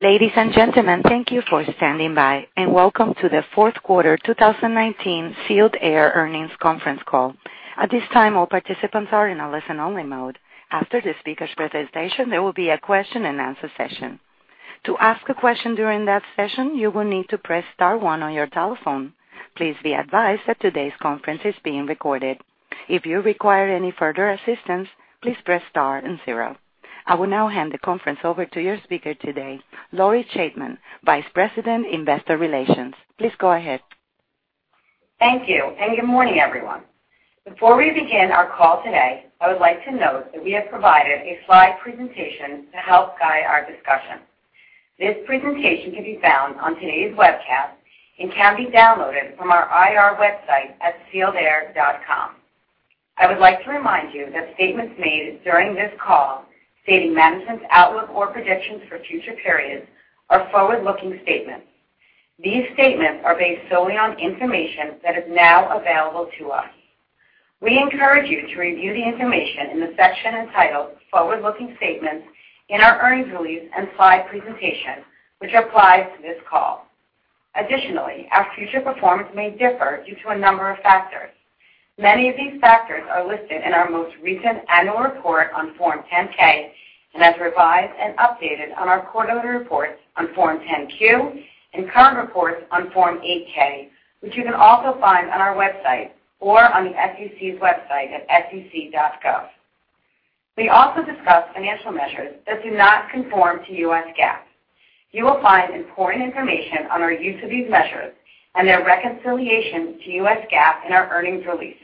Ladies and gentlemen, thank you for standing by, and welcome to the Fourth Quarter 2019 Sealed Air Earnings Conference Call. At this time, all participants are in a listen-only mode. After the speakers' presentation, there will be a question-and-answer session. To ask a question during that session, you will need to press star one on your telephone. Please be advised that today's conference is being recorded. If you require any further assistance, please press star and zero. I will now hand the conference over to your speaker today, Lori Chaitman, Vice President, Investor Relations. Please go ahead. Thank you. Good morning, everyone. Before we begin our call today, I would like to note that we have provided a slide presentation to help guide our discussion. This presentation can be found on today's webcast and can be downloaded from our IR website at sealedair.com. I would like to remind you that statements made during this call stating management's outlook or predictions for future periods are forward-looking statements. These statements are based solely on information that is now available to us. We encourage you to review the information in the section entitled Forward-Looking Statements in our earnings release and slide presentation, which applies to this call. Additionally, our future performance may differ due to a number of factors. Many of these factors are listed in our most recent annual report on Form 10-K and as revised and updated on our quarterly reports on Form 10-Q and current reports on Form 8-K, which you can also find on our website or on the SEC's website at sec.gov. We also discuss financial measures that do not conform to U.S. GAAP. You will find important information on our use of these measures and their reconciliation to U.S. GAAP in our earnings release.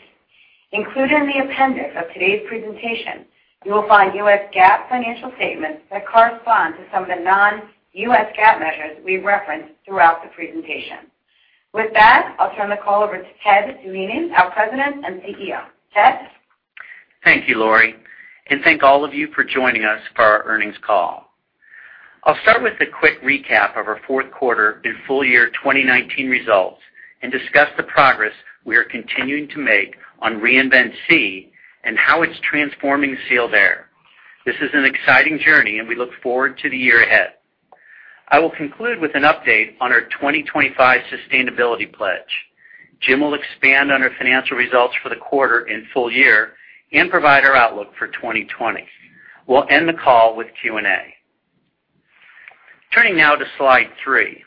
Included in the appendix of today's presentation, you will find U.S. GAAP financial statements that correspond to some of the non-U.S. GAAP measures we reference throughout the presentation. With that, I'll turn the call over to Ted Doheny, our President and CEO. Ted? Thank you, Lori, and thank all of you for joining us for our earnings call. I'll start with a quick recap of our fourth quarter and full year 2019 results and discuss the progress we are continuing to make on Reinvent SEE and how it's transforming Sealed Air. This is an exciting journey, and we look forward to the year ahead. I will conclude with an update on our 2025 sustainability pledge. Jim will expand on our financial results for the quarter and full year and provide our outlook for 2020. We'll end the call with Q&A. Turning now to slide three.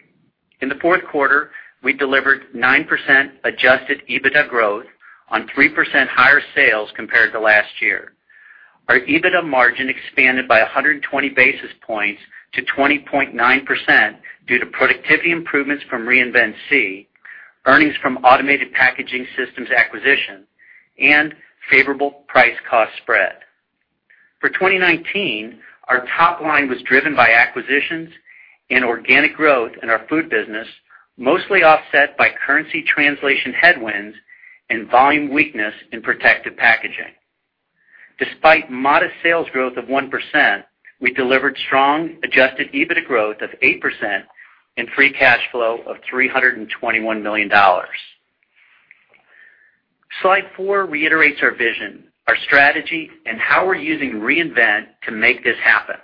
In the fourth quarter, we delivered 9% adjusted EBITDA growth on 3% higher sales compared to last year. Our EBITDA margin expanded by 120 basis points to 20.9% due to productivity improvements from Reinvent SEE, earnings from Automated Packaging Systems acquisition, and favorable price-cost spread. For 2019, our top line was driven by acquisitions and organic growth in our food business, mostly offset by currency translation headwinds and volume weakness in protective packaging. Despite modest sales growth of 1%, we delivered strong adjusted EBITDA growth of 8% and free cash flow of $321 million. Slide four reiterates our vision, our strategy, and how we're using reinvent to make this happen.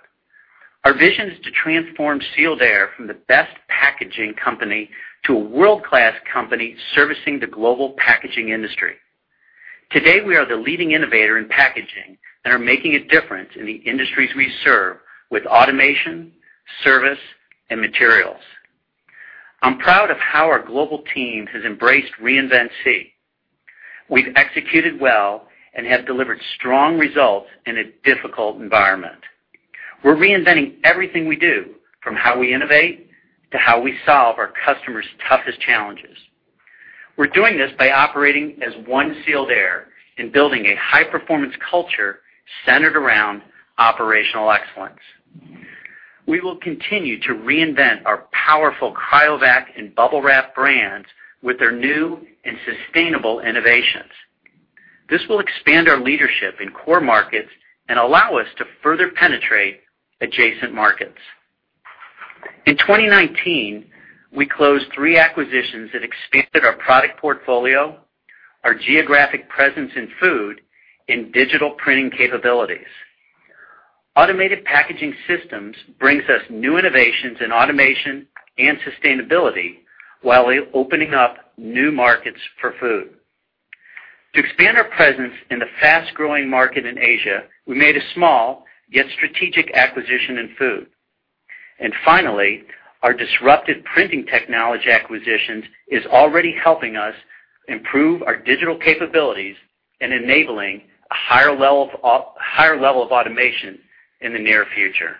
Our vision is to transform Sealed Air from the best packaging company to a world-class company servicing the global packaging industry. Today, we are the leading innovator in packaging and are making a difference in the industries we serve with automation, service, and materials. I'm proud of how our global team has embraced Reinvent SEE. We've executed well and have delivered strong results in a difficult environment. We're reinventing everything we do, from how we innovate to how we solve our customers' toughest challenges. We're doing this by operating as one Sealed Air and building a high-performance culture centered around operational excellence. We will continue to reinvent our powerful Cryovac and Bubble Wrap brands with their new and sustainable innovations. This will expand our leadership in core markets and allow us to further penetrate adjacent markets. In 2019, we closed three acquisitions that expanded our product portfolio, our geographic presence in food, and digital printing capabilities. Automated Packaging Systems brings us new innovations in automation and sustainability while opening up new markets for food. To expand our presence in the fast-growing market in Asia, we made a small, yet strategic acquisition in food. Finally, our disruptive printing technology acquisitions is already helping us improve our digital capabilities and enabling a higher level of automation in the near future.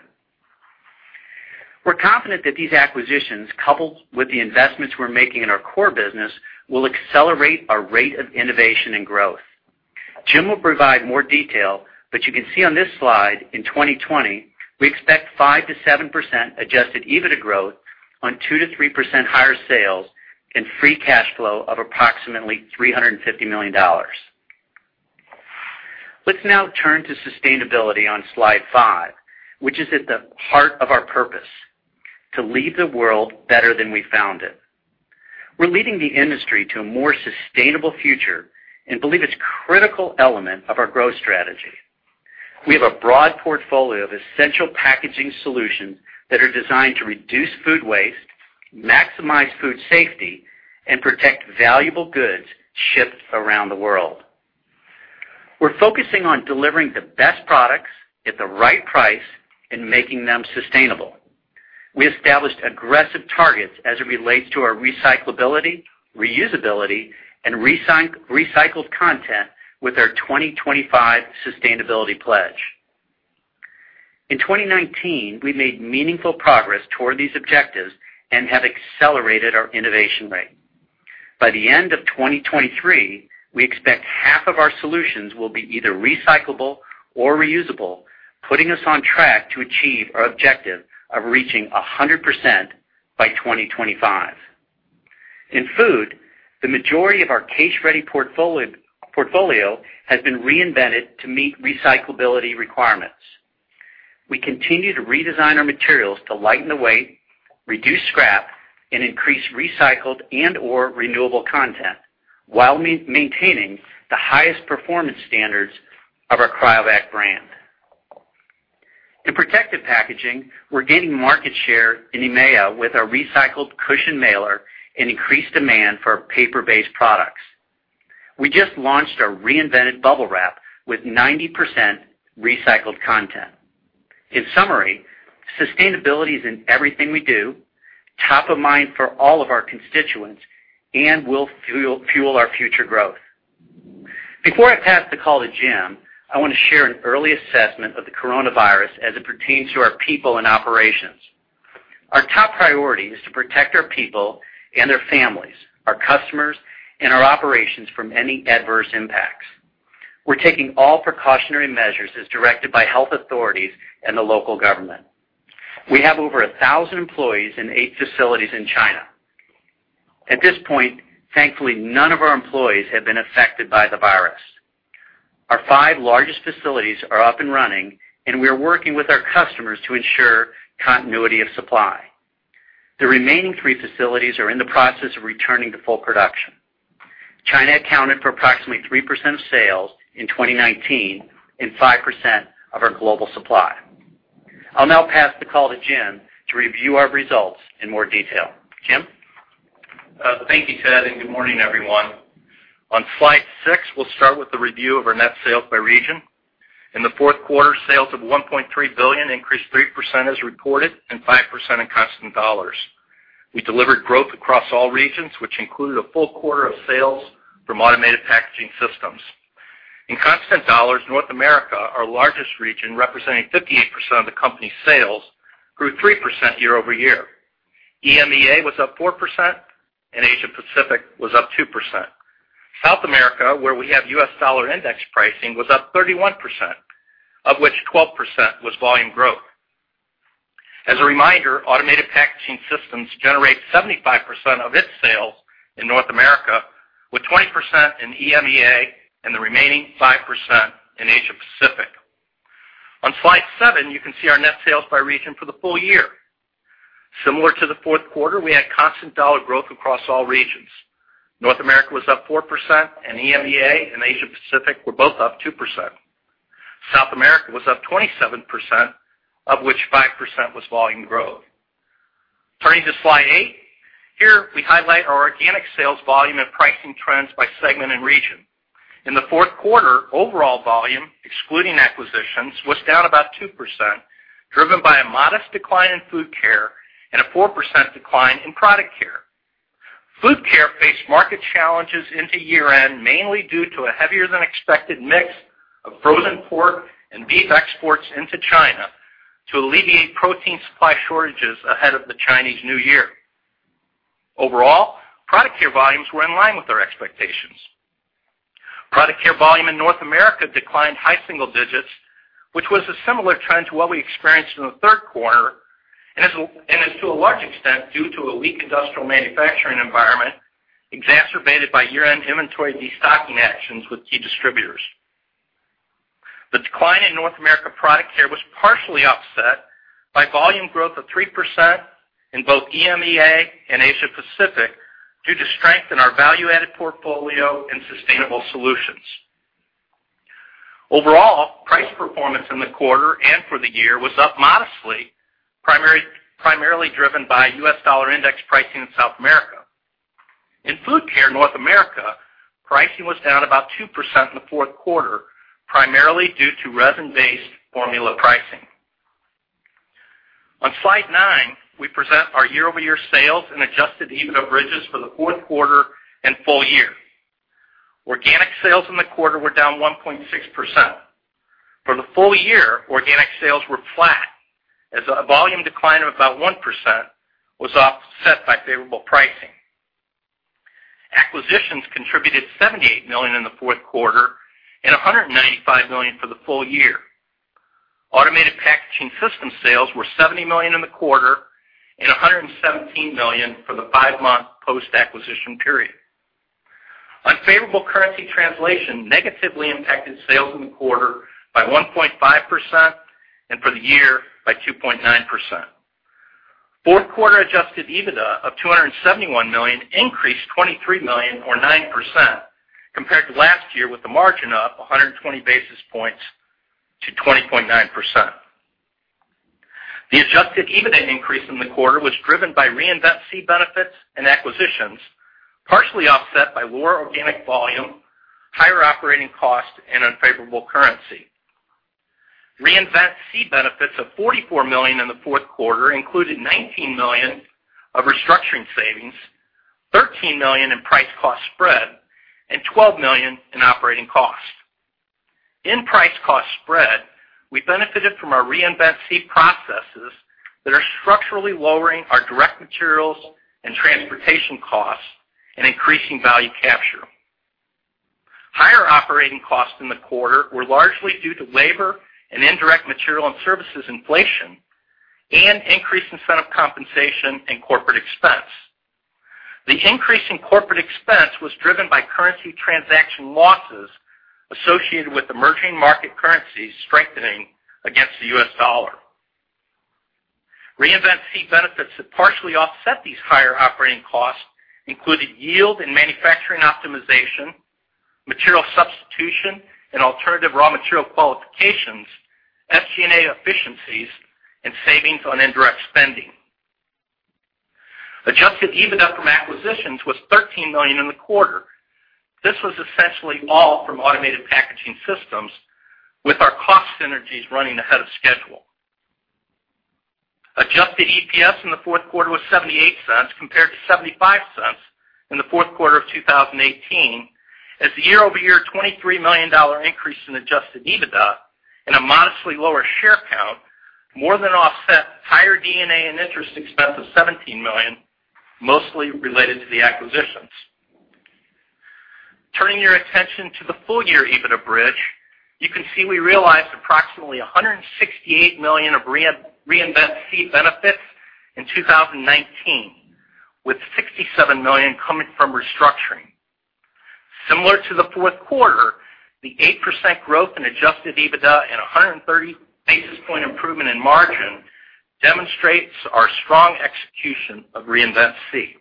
We're confident that these acquisitions, coupled with the investments we're making in our core business, will accelerate our rate of innovation and growth. Jim will provide more detail, but you can see on this slide, in 2020, we expect 5%-7% adjusted EBITDA growth on 2%-3% higher sales and free cash flow of approximately $350 million. Let's now turn to sustainability on slide five, which is at the heart of our purpose: to leave the world better than we found it. We're leading the industry to a more sustainable future and believe it's a critical element of our growth strategy. We have a broad portfolio of essential packaging solutions that are designed to reduce food waste, maximize food safety, and protect valuable goods shipped around the world. We're focusing on delivering the best products at the right price and making them sustainable. We established aggressive targets as it relates to our recyclability, reusability, and recycled content with our 2025 sustainability pledge. In 2019, we made meaningful progress toward these objectives and have accelerated our innovation rate. By the end of 2023, we expect half of our solutions will be either recyclable or reusable, putting us on track to achieve our objective of reaching 100% by 2025. In food, the majority of our case-ready portfolio has been reinvented to meet recyclability requirements. We continue to redesign our materials to lighten the weight, reduce scrap, and increase recycled and/or renewable content while maintaining the highest performance standards of our Cryovac brand. In protective packaging, we're gaining market share in EMEA with our recycled cushion mailer and increased demand for paper-based products. We just launched our reinvented Bubble Wrap with 90% recycled content. In summary, sustainability is in everything we do, top of mind for all of our constituents and will fuel our future growth. Before I pass the call to Jim, I want to share an early assessment of the coronavirus as it pertains to our people and operations. Our top priority is to protect our people and their families, our customers, and our operations from any adverse impacts. We're taking all precautionary measures as directed by health authorities and the local government. We have over 1,000 employees in eight facilities in China. At this point, thankfully, none of our employees have been affected by the virus. Our five largest facilities are up and running, and we are working with our customers to ensure continuity of supply. The remaining three facilities are in the process of returning to full production. China accounted for approximately 3% of sales in 2019 and 5% of our global supply. I'll now pass the call to Jim to review our results in more detail. Jim? Thank you, Ted, and good morning, everyone. On slide six, we'll start with the review of our net sales by region. In the fourth quarter, sales of $1.3 billion increased 3% as reported and 5% in constant dollars. We delivered growth across all regions, which included a full quarter of sales from Automated Packaging Systems. In constant dollars, North America, our largest region, representing 58% of the company's sales, grew 3% year-over-year. EMEA was up 4%. Asia Pacific was up 2%. South America, where we have US Dollar Index pricing, was up 31%, of which 12% was volume growth. As a reminder, Automated Packaging Systems generates 75% of its sales in North America, with 20% in EMEA and the remaining 5% in Asia Pacific. On slide seven, you can see our net sales by region for the full year. Similar to the fourth quarter, we had constant dollar growth across all regions. North America was up 4%. EMEA and Asia Pacific were both up 2%. South America was up 27%, of which 5% was volume growth. Turning to slide eight. Here, we highlight our organic sales volume and pricing trends by segment and region. In the fourth quarter, overall volume, excluding acquisitions, was down about 2%, driven by a modest decline in Food Care and a 4% decline in Product Care. Food Care faced market challenges into year-end, mainly due to a heavier-than-expected mix of frozen pork and beef exports into China to alleviate protein supply shortages ahead of the Chinese New Year. Overall, Product Care volumes were in line with our expectations. Product Care volume in North America declined high single digits, which was a similar trend to what we experienced in the third quarter and is, to a large extent, due to a weak industrial manufacturing environment exacerbated by year-end inventory destocking actions with key distributors. The decline in North America Product Care was partially offset by volume growth of 3% in both EMEA and Asia Pacific due to strength in our value-added portfolio and sustainable solutions. Overall, price performance in the quarter and for the year was up modestly, primarily driven by US Dollar Index pricing in South America. In Food Care North America, pricing was down about 2% in the fourth quarter, primarily due to resin-based formula pricing. On slide nine, we present our year-over-year sales and adjusted EBITDA bridges for the fourth quarter and full year. Organic sales in the quarter were down 1.6%. For the full year, organic sales were flat as a volume decline of about 1% was offset by favorable pricing. Acquisitions contributed $78 million in the fourth quarter and $195 million for the full year. Automated Packaging Systems sales were $70 million in the quarter and $117 million for the five-month post-acquisition period. Favorable currency translation negatively impacted sales in the quarter by 1.5% and for the year by 2.9%. Fourth quarter adjusted EBITDA of $271 million increased $23 million or 9% compared to last year, with the margin up 120 basis points to 20.9%. The adjusted EBITDA increase in the quarter was driven by Reinvent SEE benefits and acquisitions, partially offset by lower organic volume, higher operating costs, and unfavorable currency. Reinvent SEE benefits of $44 million in the fourth quarter included $19 million of restructuring savings, $13 million in price cost spread, and $12 million in operating costs. In price cost spread, we benefited from our Reinvent SEE processes that are structurally lowering our direct materials and transportation costs and increasing value capture. Higher operating costs in the quarter were largely due to labor and indirect material and services inflation, and increased incentive compensation and corporate expense. The increase in corporate expense was driven by currency transaction losses associated with emerging market currencies strengthening against the US dollar. Reinvent SEE benefits that partially offset these higher operating costs included yield and manufacturing optimization, material substitution and alternative raw material qualifications, SG&A efficiencies, and savings on indirect spending. Adjusted EBITDA from acquisitions was $13 million in the quarter. This was essentially all from Automated Packaging Systems, with our cost synergies running ahead of schedule. Adjusted EPS in the fourth quarter was $0.78 compared to $0.75 in the fourth quarter of 2018 as the year-over-year $23 million increase in adjusted EBITDA and a modestly lower share count more than offset higher D&A and interest expense of $17 million, mostly related to the acquisitions. Turning your attention to the full-year EBITDA bridge, you can see we realized approximately $168 million of Reinvent SEE benefits in 2019, with $67 million coming from restructuring. Similar to the fourth quarter, the 8% growth in adjusted EBITDA and 130 basis point improvement in margin demonstrates our strong execution of Reinvent SEE.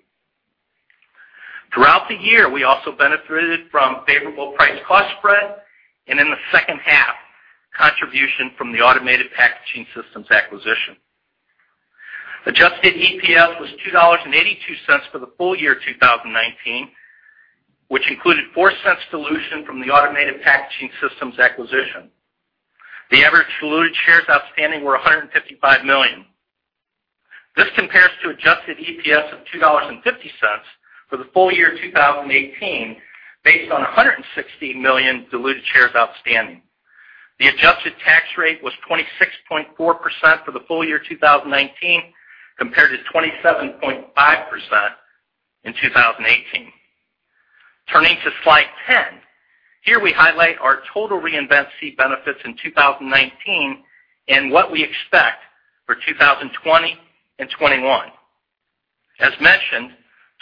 Throughout the year, we also benefited from favorable price cost spread, and in the second half, contribution from the Automated Packaging Systems acquisition. Adjusted EPS was $2.82 for the full year 2019, which included $0.04 dilution from the Automated Packaging Systems acquisition. The average diluted shares outstanding were 155 million. This compares to adjusted EPS of $2.50 for the full year 2018, based on 160 million diluted shares outstanding. The adjusted tax rate was 26.4% for the full year 2019, compared to 27.5% in 2018. Turning to slide 10, here we highlight our total Reinvent SEE benefits in 2019 and what we expect for 2020 and 2021. As mentioned,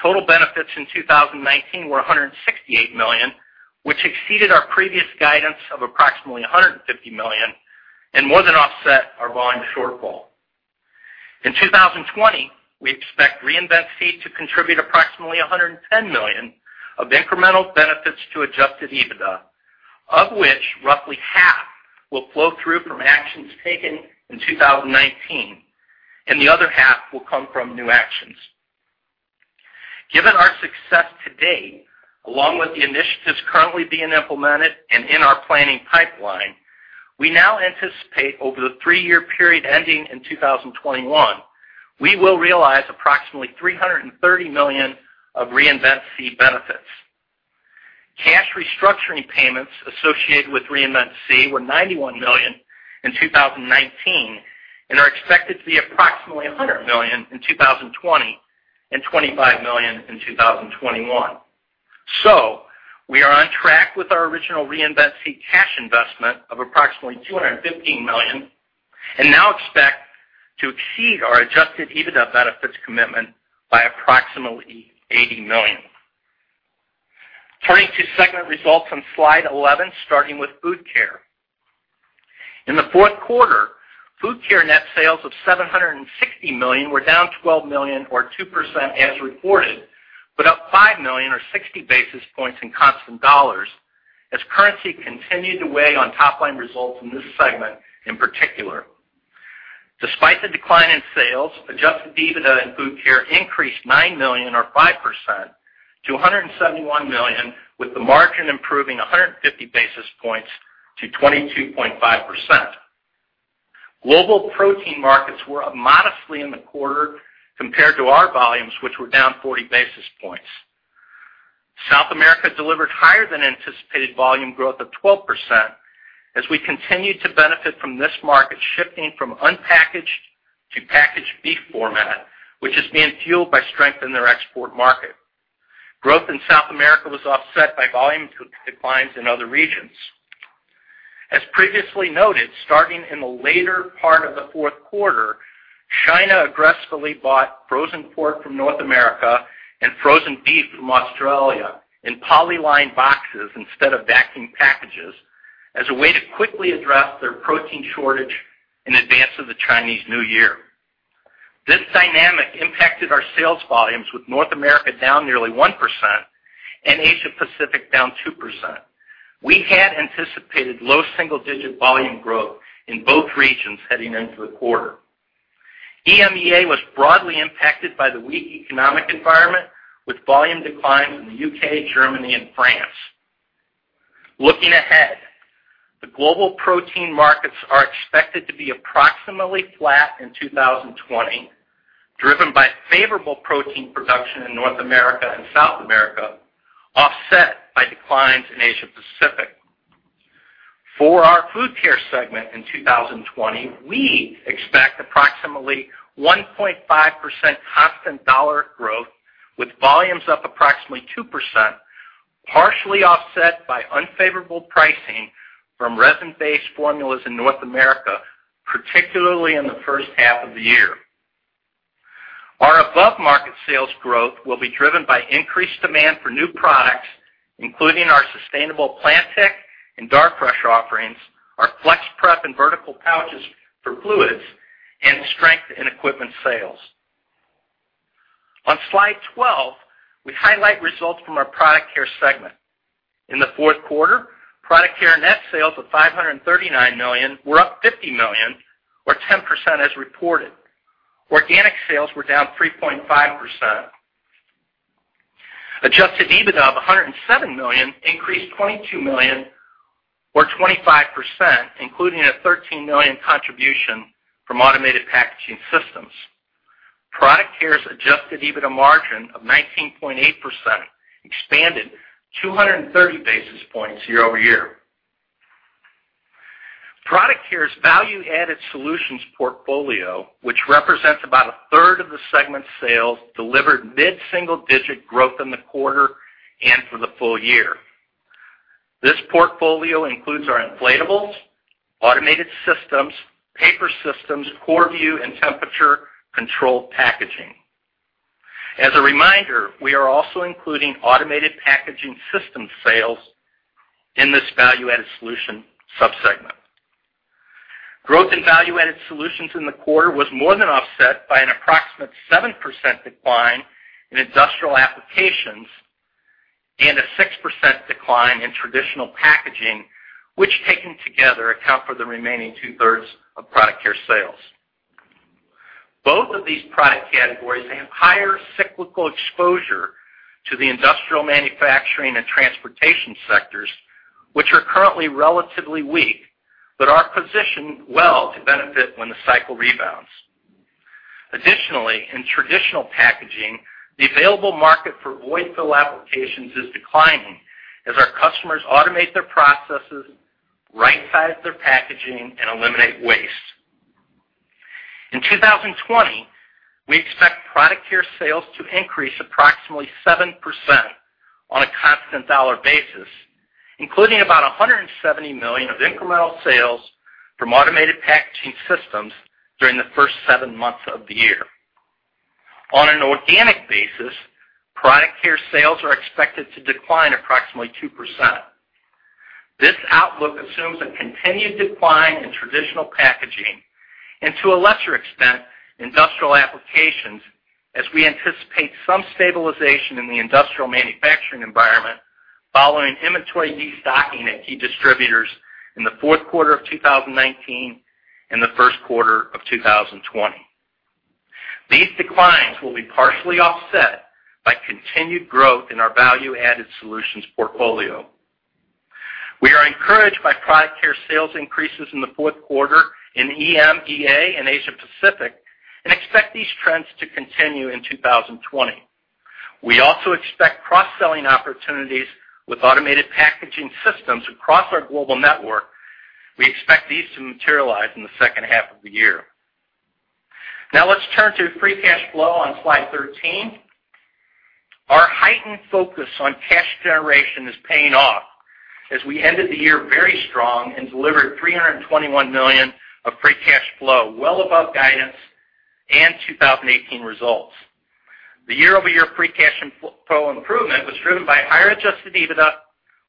total benefits in 2019 were $168 million, which exceeded our previous guidance of approximately $150 million and more than offset our volume shortfall. In 2020, we expect Reinvent SEE to contribute approximately $110 million of incremental benefits to adjusted EBITDA, of which roughly half will flow through from actions taken in 2019, and the other half will come from new actions. Given our success to date, along with the initiatives currently being implemented and in our planning pipeline, we now anticipate over the three-year period ending in 2021, we will realize approximately $330 million of Reinvent SEE benefits. Cash restructuring payments associated with Reinvent SEE were $91 million in 2019 and are expected to be approximately $100 million in 2020 and $25 million in 2021. We are on track with our original Reinvent SEE cash investment of approximately $215 million and now expect to exceed our adjusted EBITDA benefits commitment by approximately $80 million. Turning to segment results on slide 11, starting with Food Care. In the fourth quarter, Food Care net sales of $760 million were down $12 million or 2% as reported, but up $5 million or 60 basis points in constant dollars as currency continued to weigh on top-line results in this segment in particular. Despite the decline in sales, adjusted EBITDA in Food Care increased $9 million or 5% to $171 million, with the margin improving 150 basis points to 22.5%. Global protein markets were up modestly in the quarter compared to our volumes, which were down 40 basis points. South America delivered higher than anticipated volume growth of 12% as we continued to benefit from this market shifting from unpackaged to packaged beef format, which is being fueled by strength in their export market. Growth in South America was offset by volume declines in other regions. As previously noted, starting in the later part of the fourth quarter, China aggressively bought frozen pork from North America and frozen beef from Australia in poly-lined boxes instead of vacuum packages as a way to quickly address their protein shortage in advance of the Chinese New Year. This dynamic impacted our sales volumes, with North America down nearly 1% and Asia Pacific down 2%. We had anticipated low single-digit volume growth in both regions heading into the quarter. EMEA was broadly impacted by the weak economic environment, with volume declines in the U.K., Germany, and France. Looking ahead, the global protein markets are expected to be approximately flat in 2020, driven by favorable protein production in North America and South America, offset by declines in Asia Pacific. For our Food Care segment in 2020, we expect approximately 1.5% constant dollar growth with volumes up approximately 2%, partially offset by unfavorable pricing from resin-based formulas in North America, particularly in the first half of the year. Our above-market sales growth will be driven by increased demand for new products, including our sustainable PlantTech and Darfresh offerings, our FlexPrep and vertical pouches for fluids, and strength in equipment sales. On slide 12, we highlight results from our Product Care segment. In the fourth quarter, Product Care net sales of $539 million were up $50 million or 10% as reported. Organic sales were down 3.5%. adjusted EBITDA of $107 million increased $22 million or 25%, including a $13 million contribution from Automated Packaging Systems. Product Care's adjusted EBITDA margin of 19.8% expanded 230 basis points year-over-year. Product Care's value-added solutions portfolio, which represents about a third of the segment's sales, delivered mid-single-digit growth in the quarter and for the full year. This portfolio includes our inflatables, automated systems, paper systems, Korrvu, and temperature-controlled packaging. As a reminder, we are also including Automated Packaging Systems sales in this value-added solution sub-segment. Growth in value-added solutions in the quarter was more than offset by an approximate 7% decline in industrial applications and a 6% decline in traditional packaging, which taken together account for the remaining two-thirds of Product Care sales. Both of these product categories have higher cyclical exposure to the industrial manufacturing and transportation sectors, which are currently relatively weak, but are positioned well to benefit when the cycle rebounds. Additionally, in traditional packaging, the available market for void fill applications is declining as our customers automate their processes, right-size their packaging, and eliminate waste. In 2020, we expect Product Care sales to increase approximately 7% on a constant dollar basis, including about $170 million of incremental sales from Automated Packaging Systems during the first seven months of the year. On an organic basis, Product Care sales are expected to decline approximately 2%. This outlook assumes a continued decline in traditional packaging and, to a lesser extent, industrial applications as we anticipate some stabilization in the industrial manufacturing environment following inventory destocking at key distributors in the fourth quarter of 2019 and the first quarter of 2020. These declines will be partially offset by continued growth in our value-added solutions portfolio. We are encouraged by Product Care sales increases in the fourth quarter in EMEA and Asia Pacific and expect these trends to continue in 2020. We also expect cross-selling opportunities with automated packaging systems across our global network. We expect these to materialize in the second half of the year. Now let's turn to free cash flow on slide 13. Our heightened focus on cash generation is paying off as we ended the year very strong and delivered $321 million of free cash flow, well above guidance and 2018 results. The year-over-year free cash flow improvement was driven by higher adjusted EBITDA,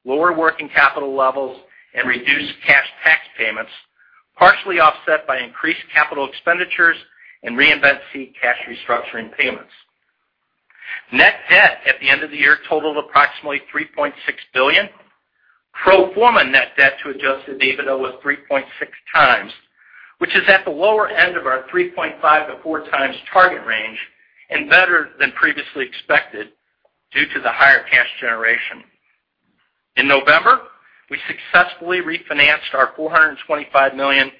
lower working capital levels, and reduced cash tax payments, partially offset by increased capital expenditures and Reinvent SEE cash restructuring payments. Net debt at the end of the year totaled approximately $3.6 billion. Pro forma net debt to adjusted EBITDA was 3.6x, which is at the lower end of our 3.5x-4x target range and better than previously expected due to the higher cash generation. In November, we successfully refinanced our $425 million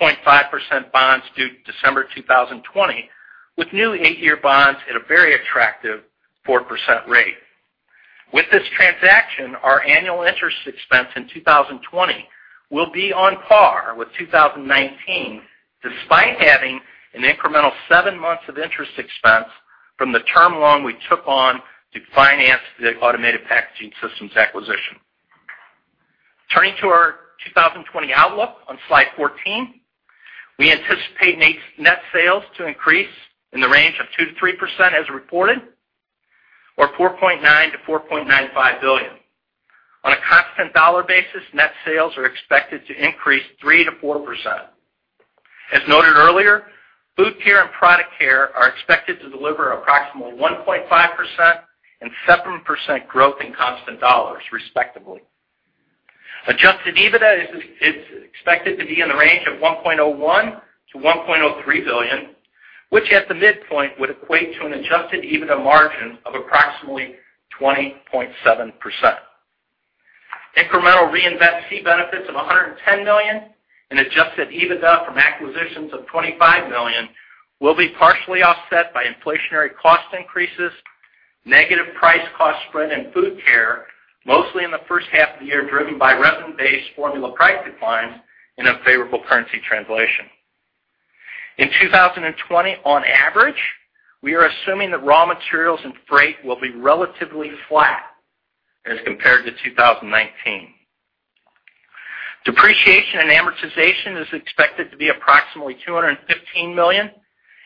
6.5% bonds due December 2020 with new eight year bonds at a very attractive 4% rate. With this transaction, our annual interest expense in 2020 will be on par with 2019, despite having an incremental seven months of interest expense from the term loan we took on to finance the Automated Packaging Systems acquisition. Turning to our 2020 outlook on Slide 14. We anticipate net sales to increase in the range of 2%-3% as reported, or $4.9 billion-$4.95 billion. On a constant dollar basis, net sales are expected to increase 3%-4%. As noted earlier, Food Care and Product Care are expected to deliver approximately 1.5% and 7% growth in constant dollars, respectively. Adjusted EBITDA is expected to be in the range of $1.01 billion-$1.03 billion, which at the midpoint would equate to an Adjusted EBITDA margin of approximately 20.7%. Incremental Reinvent SEE benefits of $110 million and Adjusted EBITDA from acquisitions of $25 million will be partially offset by inflationary cost increases, negative price cost spread in Food Care, mostly in the first half of the year, driven by revenue-based formula price declines and unfavorable currency translation. In 2020, on average, we are assuming that raw materials and freight will be relatively flat as compared to 2019. Depreciation and amortization is expected to be approximately $215 million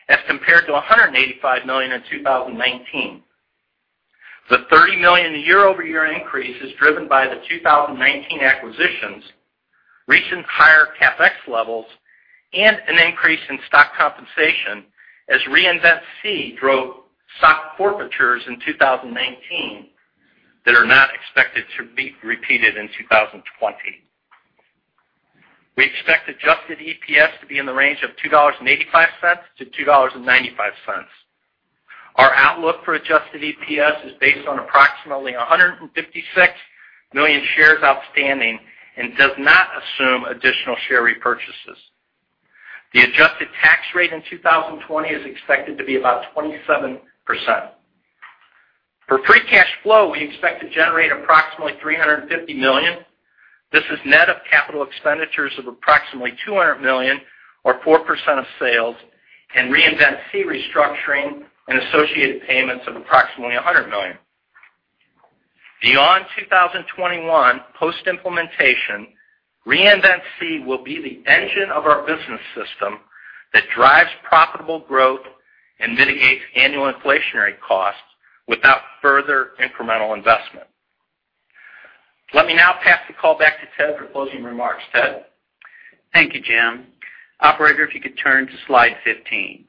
as compared to $185 million in 2019. The $30 million year-over-year increase is driven by the 2019 acquisitions, recent higher CapEx levels, and an increase in stock compensation as Reinvent SEE drove stock forfeitures in 2019 that are not expected to be repeated in 2020. We expect Adjusted EPS to be in the range of $2.85-$2.95. Our outlook for Adjusted EPS is based on approximately 156 million shares outstanding and does not assume additional share repurchases. The adjusted tax rate in 2020 is expected to be about 27%. For free cash flow, we expect to generate approximately $350 million. This is net of capital expenditures of approximately $200 million or 4% of sales and Reinvent SEE restructuring and associated payments of approximately $100 million. Beyond 2021, post-implementation, Reinvent SEE will be the engine of our business system that drives profitable growth and mitigates annual inflationary costs without further incremental investment. Let me now pass the call back to Ted for closing remarks. Ted? Thank you, Jim. Operator, if you could turn to Slide 15.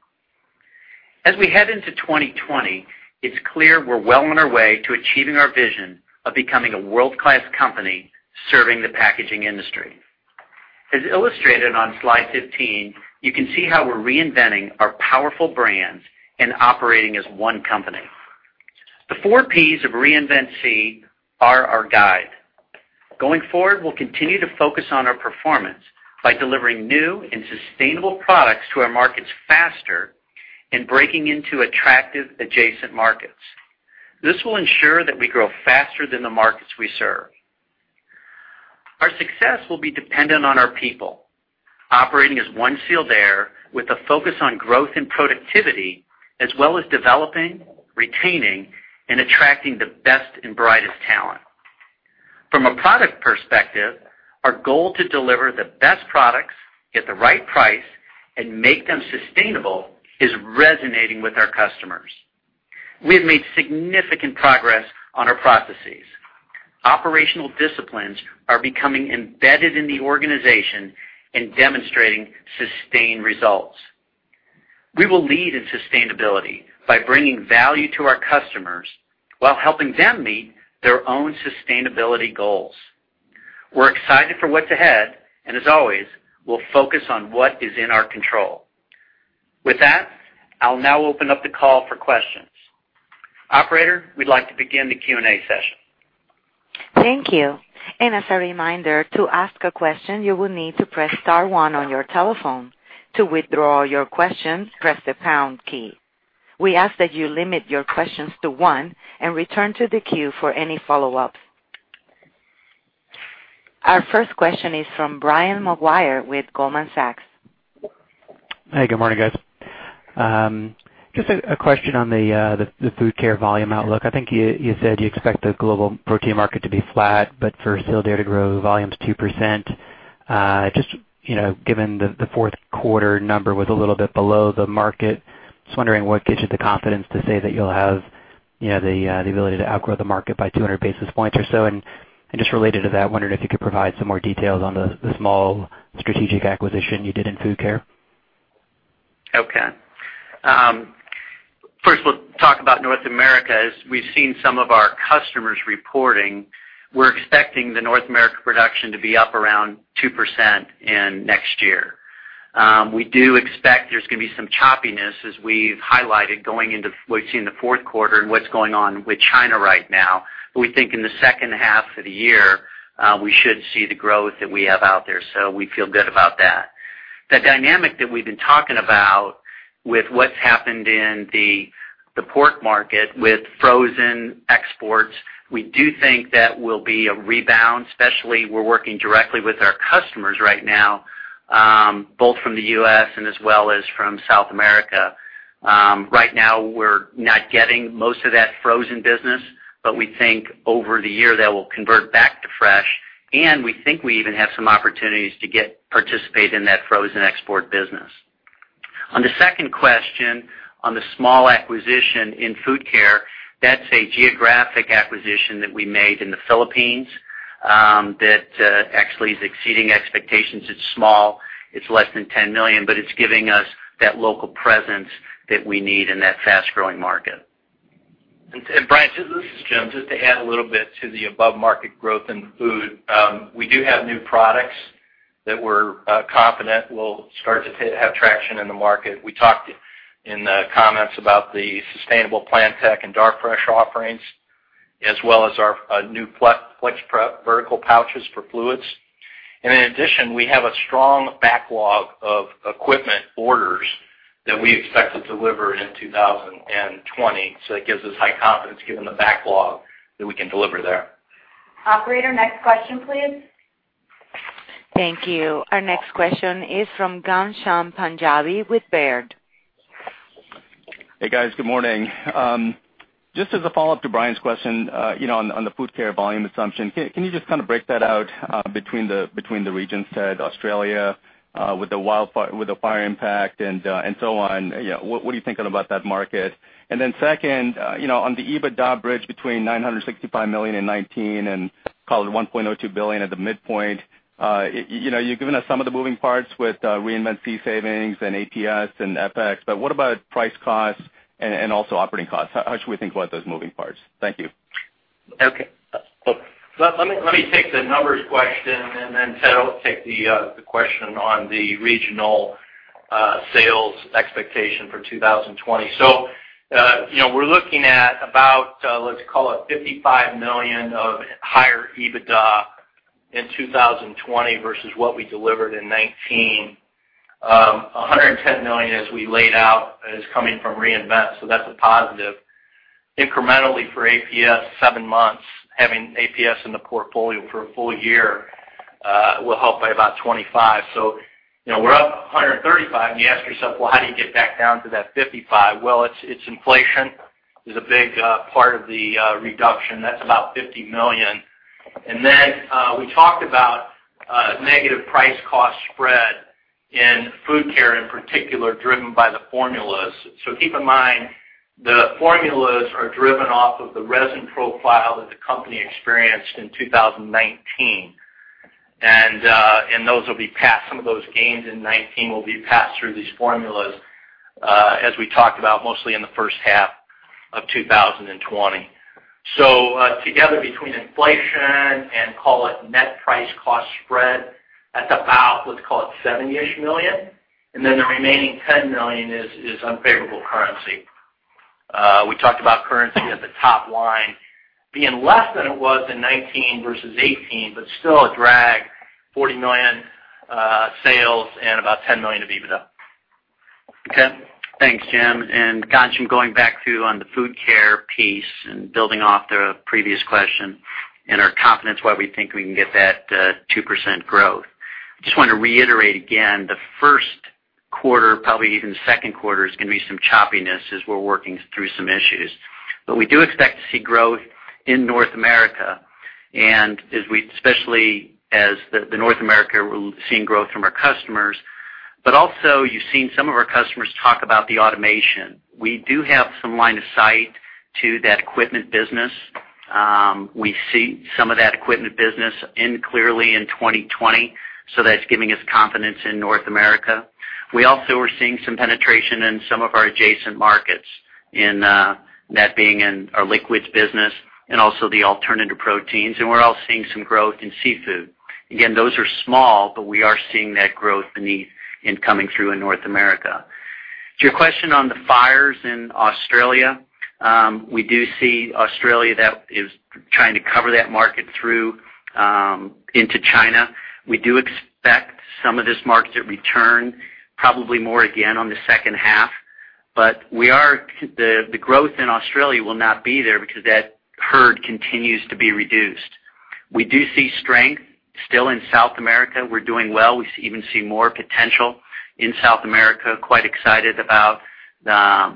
As we head into 2020, it's clear we're well on our way to achieving our vision of becoming a world-class company serving the packaging industry. As illustrated on Slide 15, you can see how we're reinventing our powerful brands and operating as one company. The 4Ps of Reinvent SEE are our guide. Going forward, we'll continue to focus on our performance by delivering new and sustainable products to our markets faster and breaking into attractive adjacent markets. This will ensure that we grow faster than the markets we serve. Our success will be dependent on our people operating as one Sealed Air with a focus on growth and productivity, as well as developing, retaining, and attracting the best and brightest talent. From a product perspective, our goal to deliver the best products at the right price and make them sustainable is resonating with our customers. We have made significant progress on our processes. Operational disciplines are becoming embedded in the organization and demonstrating sustained results. We will lead in sustainability by bringing value to our customers while helping them meet their own sustainability goals. We're excited for what's ahead and as always, we'll focus on what is in our control. With that, I'll now open up the call for questions. Operator, we'd like to begin the Q&A session. Thank you. As a reminder, to ask a question, you will need to press star one on your telephone. To withdraw your questions, press the pound key. We ask that you limit your questions to one and return to the queue for any follow-ups. Our first question is from Brian Maguire with Goldman Sachs. Hi, good morning, guys. Just a question on the Food Care volume outlook. I think you said you expect the global protein market to be flat, but for Sealed Air to grow volumes 2%. Given the fourth quarter number was a little bit below the market, just wondering what gives you the confidence to say that you'll have the ability to outgrow the market by 200 basis points or so. Just related to that, wondering if you could provide some more details on the small strategic acquisition you did in Food Care. Okay. First, we'll talk about North America. As we've seen some of our customers reporting, we're expecting the North America production to be up around 2% in next year. We do expect there's going to be some choppiness as we've highlighted going into what we've seen in the fourth quarter and what's going on with China right now. We think in the second half of the year, we should see the growth that we have out there. We feel good about that. The dynamic that we've been talking about with what's happened in the pork market with frozen exports, we do think that will be a rebound, especially we're working directly with our customers right now both from the U.S. and as well as from South America. Right now, we're not getting most of that frozen business, but we think over the year that will convert back to fresh, and we think we even have some opportunities to participate in that frozen export business. On the second question, on the small acquisition in Food Care, that's a geographic acquisition that we made in the Philippines, that actually is exceeding expectations. It's small. It's less than $10 million, but it's giving us that local presence that we need in that fast-growing market. Brian, this is Jim. Just to add a little bit to the above-market growth in food. We do have new products that we're confident will start to have traction in the market. We talked in the comments about the sustainable PlantTech and Darfresh offerings, as well as our new FlexPrep vertical pouches for fluids. In addition, we have a strong backlog of equipment orders that we expect to deliver in 2020. That gives us high confidence given the backlog that we can deliver there. Operator, next question, please. Thank you. Our next question is from Ghansham Panjabi with Baird. Hey, guys. Good morning. Just as a follow-up to Brian's question, on the Food Care volume assumption, can you just break that out between the regions, Ted, Australia, with the fire impact and so on? What are you thinking about that market? Second, on the EBITDA bridge between $965 million in 2019 and call it $1.02 billion at the midpoint, you've given us some of the moving parts with Reinvent SEE savings and APS and FX, but what about price costs and also operating costs? How should we think about those moving parts? Thank you. Okay. Let me take the numbers question, and then Ted will take the question on the regional sales expectation for 2020. We're looking at about, let's call it $55 million of higher EBITDA in 2020 versus what we delivered in 2019. $110 million, as we laid out, is coming from Reinvent, so that's a positive. Incrementally for APS, seven months, having APS in the portfolio for a full year will help by about $25. We're up $135, and you ask yourself, "Well, how do you get back down to that $55?" Well, it's inflation is a big part of the reduction. That's about $50 million. We talked about negative price-cost spread in Food Care, in particular, driven by the formulas. Keep in mind, the formulas are driven off of the resin profile that the company experienced in 2019. Some of those gains in 2019 will be passed through these formulas, as we talked about mostly in the first half of 2020. Together between inflation and call it net price-cost spread, that's about, let's call it $70 million. The remaining $10 million is unfavorable currency. We talked about currency at the top line being less than it was in 2019 versus 2018, but still a drag, $40 million sales and about $10 million of EBITDA. Ted? Thanks, Jim. Ghansham, going back to on the Food Care piece and building off the previous question and our confidence why we think we can get that 2% growth. Just want to reiterate again, the first quarter, probably even second quarter, is going to be some choppiness as we're working through some issues. We do expect to see growth in North America, especially as the North America, we're seeing growth from our customers. Also, you've seen some of our customers talk about the automation. We do have some line of sight to that equipment business. We see some of that equipment business end clearly in 2020, that's giving us confidence in North America. We also are seeing some penetration in some of our adjacent markets, in that being in our liquids business and also the alternative proteins, we're also seeing some growth in seafood. Those are small, we are seeing that growth and coming through in North America. To your question on the fires in Australia, we do see Australia that is trying to cover that market through into China. We do expect some of this market to return probably more again on the second half. The growth in Australia will not be there because that herd continues to be reduced. We do see strength still in South America. We're doing well. We even see more potential in South America. Quite excited about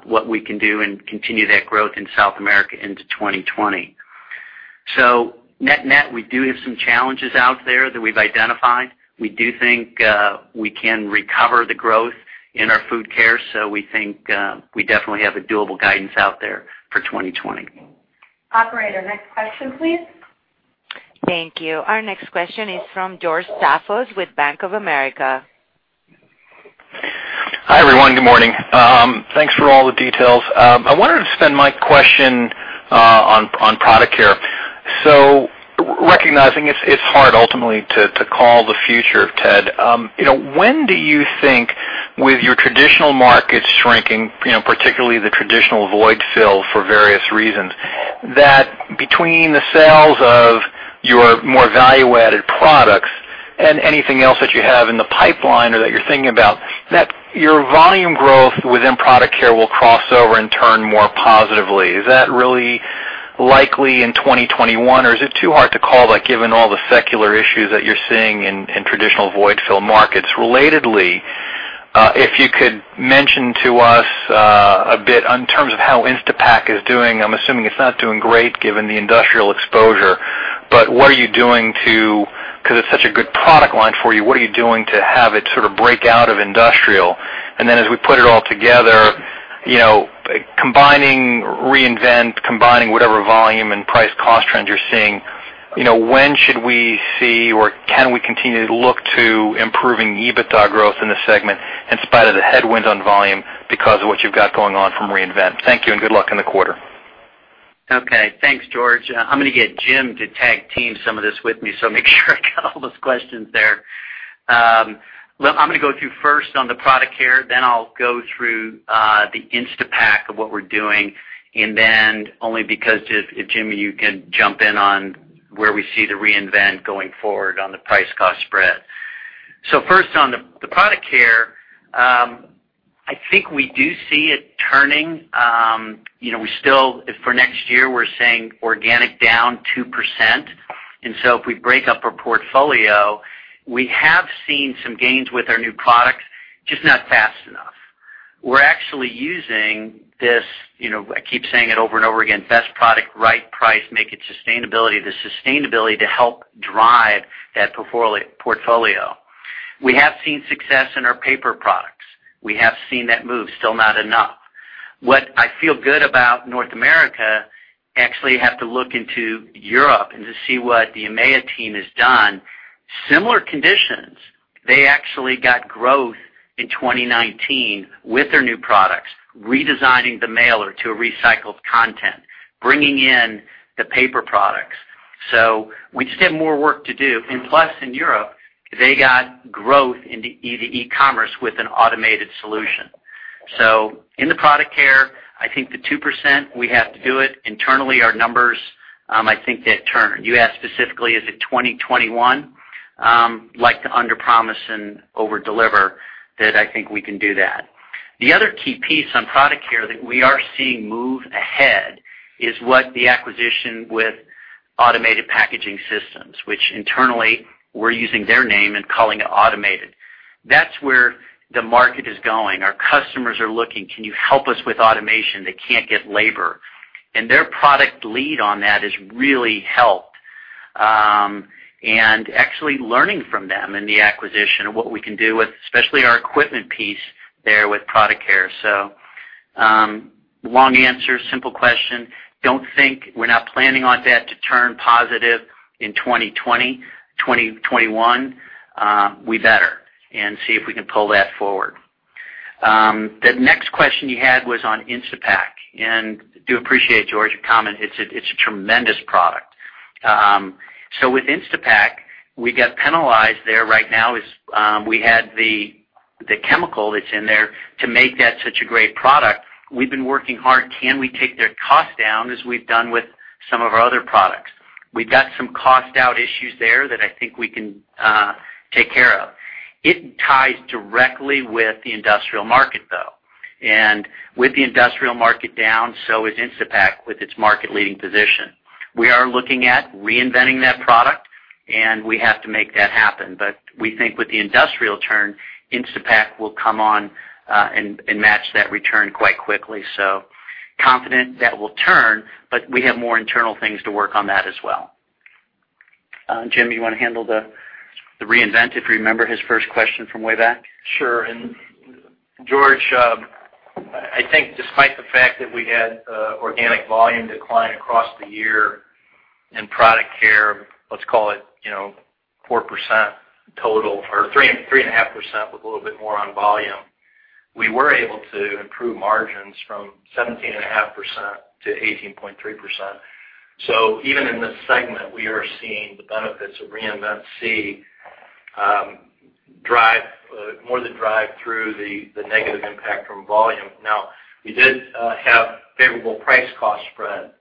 what we can do and continue that growth in South America into 2020. Net-net, we do have some challenges out there that we've identified. We do think we can recover the growth in our Food Care, we think we definitely have a doable guidance out there for 2020. Operator, next question please. Thank you. Our next question is from George Staphos with Bank of America. Hi, everyone. Good morning. Thanks for all the details. I wanted to spend my question on Product Care. Recognizing it's hard ultimately to call the future, Ted. When do you think with your traditional markets shrinking, particularly the traditional void fill for various reasons, that between the sales of your more value-added products and anything else that you have in the pipeline or that you're thinking about, that your volume growth within Product Care will cross over and turn more positively? Is that really likely in 2021, or is it too hard to call, given all the secular issues that you're seeing in traditional void fill markets? Relatedly, if you could mention to us a bit in terms of how Instapak is doing. I'm assuming it's not doing great, given the industrial exposure. Because it's such a good product line for you, what are you doing to have it sort of break out of industrial? As we put it all together, combining Reinvent SEE, combining whatever volume and price cost trends you're seeing, when should we see, or can we continue to look to improving EBITDA growth in this segment in spite of the headwinds on volume because of what you've got going on from Reinvent SEE? Thank you, and good luck in the quarter. Okay, thanks, George. I'm going to get Jim to tag-team some of this with me, so make sure I got all those questions there. I'm going to go through first on the Product Care, then I'll go through the Instapak of what we're doing, and then only because, Jim, you can jump in on where we see the Reinvent going forward on the price-cost spread. First on the Product Care, I think we do see it turning. For next year, we're saying organic down 2%. If we break up our portfolio, we have seen some gains with our new products, just not fast enough. We're actually using this, I keep saying it over and over again, best product, right price, make it sustainability, the sustainability to help drive that portfolio. We have seen success in our paper products. We have seen that move. Still not enough. What I feel good about North America, actually have to look into Europe and to see what the EMEA team has done. Similar conditions. They actually got growth in 2019 with their new products, redesigning the mailer to a recycled content, bringing in the paper products. We just have more work to do. In Europe, they got growth into e-commerce with an automated solution. In the Product Care, I think the 2%, we have to do it. Internally, our numbers, I think they turn. You asked specifically, is it 2021? Like to underpromise and overdeliver, that I think we can do that. The other key piece on Product Care that we are seeing move ahead is what the acquisition with Automated Packaging Systems, which internally we're using their name and calling it automated. That's where the market is going. Our customers are looking, "Can you help us with automation?" They can't get labor. Their product lead on that has really helped. Actually learning from them in the acquisition of what we can do with, especially our equipment piece there with Product Care. Long answer, simple question. We're not planning on that to turn positive in 2020. 2021, we better, and see if we can pull that forward. The next question you had was on Instapak, and do appreciate, George, your comment. It's a tremendous product. With Instapak, we get penalized there right now as we had the chemical that's in there to make that such a great product. We've been working hard. Can we take their cost down as we've done with some of our other products? We've got some cost out issues there that I think we can take care of. It ties directly with the industrial market, though. With the industrial market down, so is Instapak with its market leading position. We are looking at reinventing that product, and we have to make that happen. We think with the industrial turn, Instapak will come on and match that return quite quickly. Confident that will turn, but we have more internal things to work on that as well. Jim, you want to handle the reinvent, if you remember his first question from way back? Sure. George, I think despite the fact that we had organic volume decline across the year in Product Care, let's call it 4% total, or 3.5% with a little bit more on volume. We were able to improve margins from 17.5%-18.3%. Even in this segment, we are seeing the benefits of Reinvent SEE more the drive through the negative impact from volume. Now, we did have favorable price cost spread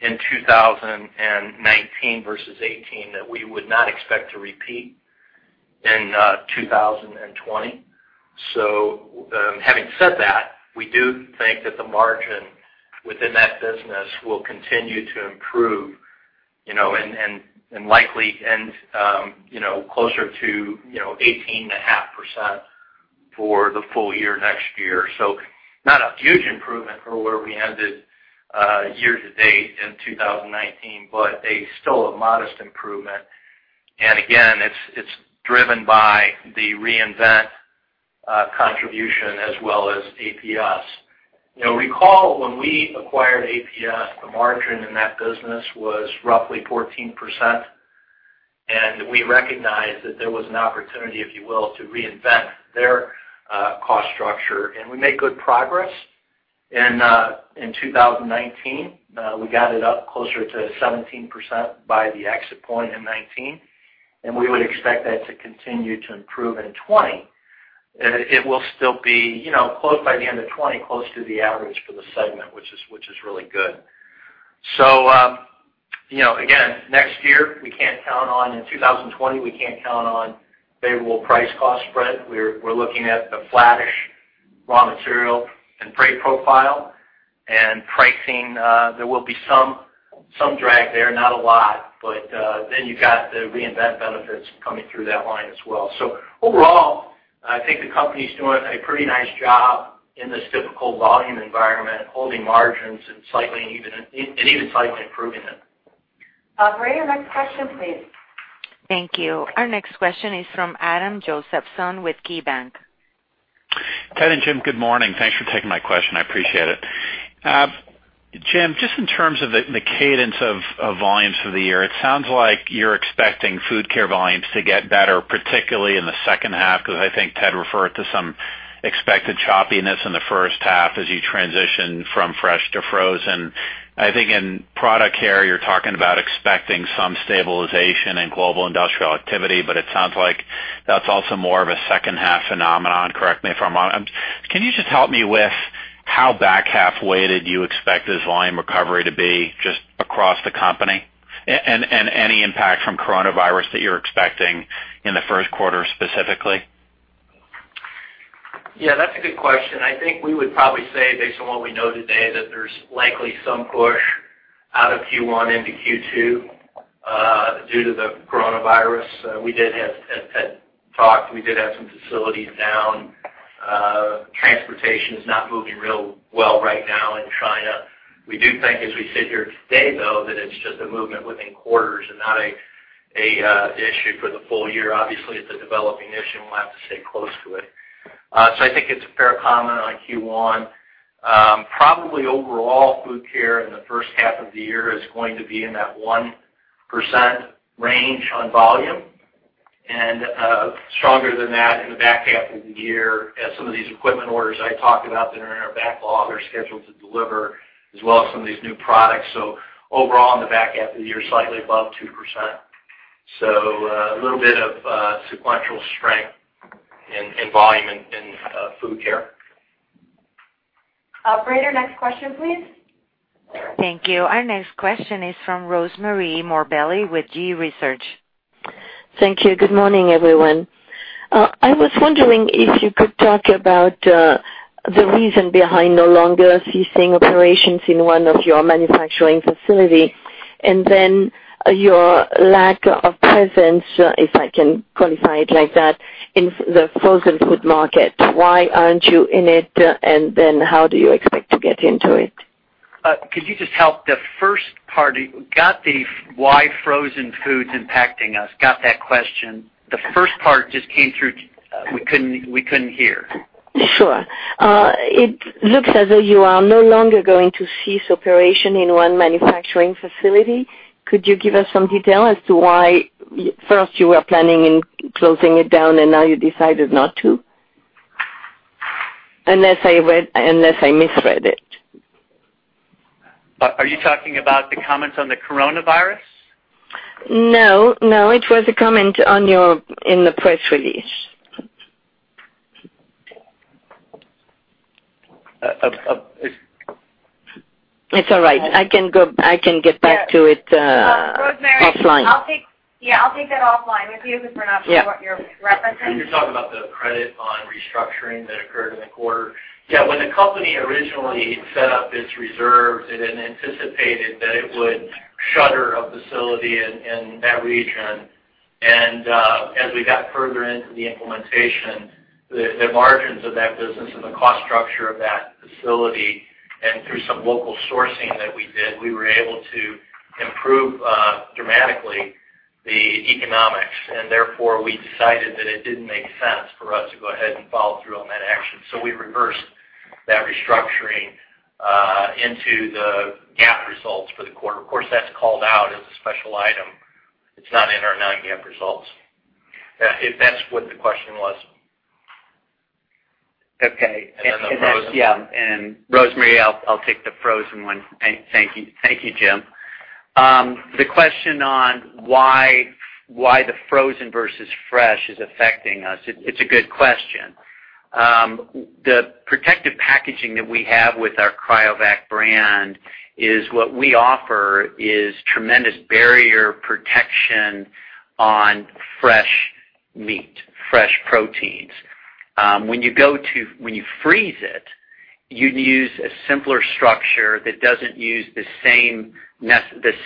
in 2019 versus 2018 that we would not expect to repeat in 2020. Having said that, we do think that the margin within that business will continue to improve, and likely end closer to 18.5% for the full year next year. Not a huge improvement from where we ended year to date in 2019, but a still a modest improvement. Again, it's driven by the Reinvent SEE contribution as well as APS. Recall when we acquired APS, the margin in that business was roughly 14%, and we recognized that there was an opportunity, if you will, to reinvent their cost structure. We made good progress in 2019. We got it up closer to 17% by the exit point in 2019, and we would expect that to continue to improve in 2020. It will still be close by the end of 2020, close to the average for the segment, which is really good. Again, next year we can't count on in 2020, we can't count on favorable price cost spread. We're looking at a flattish raw material and freight profile and pricing. There will be some drag there, not a lot, but then you've got the reinvent benefits coming through that line as well. Overall, I think the company's doing a pretty nice job in this difficult volume environment, holding margins and even slightly improving it. Operator, next question, please. Thank you. Our next question is from Adam Josephson with KeyBanc. Ted and Jim, good morning. Thanks for taking my question. I appreciate it. Jim, just in terms of the cadence of volumes for the year, it sounds like you're expecting Food Care volumes to get better, particularly in the second half, because I think Ted referred to some expected choppiness in the first half as you transition from fresh to frozen. In Product Care, you're talking about expecting some stabilization in global industrial activity, it sounds like that's also more of a second half phenomenon. Correct me if I'm wrong. Can you just help me with how back half-weighted you expect this volume recovery to be, just across the company? Any impact from coronavirus that you're expecting in the first quarter specifically? Yeah, that's a good question. I think we would probably say, based on what we know today, that there's likely some push out of Q1 into Q2 due to the coronavirus. We did have, as Ted talked, we did have some facilities down. Transportation is not moving real well right now in China. We do think, as we sit here today, though, that it's just a movement within quarters and not an issue for the full year. Obviously, it's a developing issue, and we'll have to stay close to it. I think it's a fair comment on Q1. Probably overall, Food Care in the first half of the year is going to be in that 1% range on volume and stronger than that in the back half of the year as some of these equipment orders I talked about that are in our backlog are scheduled to deliver, as well as some of these new products. Overall, in the back half of the year, slightly above 2%. A little bit of sequential strength in volume in Food Care. Operator, next question, please. Thank you. Our next question is from Rosemarie Morbelli with G. Research. Thank you. Good morning, everyone. I was wondering if you could talk about the reason behind no longer ceasing operations in one of your manufacturing facility, your lack of presence, if I can qualify it like that, in the frozen food market. Why aren't you in it, how do you expect to get into it? Could you just help the first part? Got the why frozen food's impacting us, got that question. The first part just came through. We couldn't hear. Sure. It looks as though you are no longer going to cease operation in one manufacturing facility. Could you give us some detail as to why first you were planning in closing it down and now you decided not to? Unless I misread it. Are you talking about the comments on the coronavirus? No, it was a comment in the press release. It's- It's all right. I can get back to it offline. Rosemarie, yeah, I'll take that offline with you because we're not sure what you're referencing. I think you're talking about the credit on restructuring that occurred in the quarter. Yeah. When the company originally set up its reserves, it had anticipated that it would shutter a facility in that region. As we got further into the implementation, the margins of that business and the cost structure of that facility, and through some local sourcing that we did, we were able to improve dramatically the economics, and therefore we decided that it didn't make sense for us to go ahead and follow through on that action. We reversed that restructuring into the GAAP results for the quarter. Of course, that's called out as a special item. It's not in our non-GAAP results. If that's what the question was. Okay. And then the frozen- Rosemarie, I'll take the frozen one. Thank you, Jim. The question on why the frozen versus fresh is affecting us, it's a good question. The protective packaging that we have with our Cryovac brand is what we offer is tremendous barrier protection on fresh meat, fresh proteins. When you freeze it, you use a simpler structure that doesn't use the